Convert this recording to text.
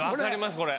これ。